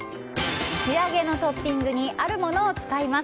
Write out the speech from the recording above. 仕上げのトッピングにあるものを使います。